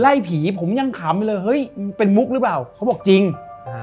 ไล่ผีผมยังขำไปเลยเฮ้ยเป็นมุกหรือเปล่าเขาบอกจริงอ่า